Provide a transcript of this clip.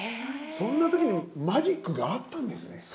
そんな時にマジックがあったんですね。